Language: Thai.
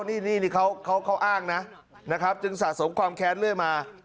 นี่ครับนี่ส่วนให้เขาอ้างนะจึงสะสมความแค้นเลยมา